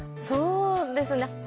そうですね。